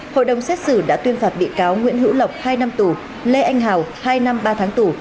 hội đồng xét xử đã tuyên phạt bị cáo nguyễn hữu lộc hai năm tù lê anh hào hai năm ba tháng tù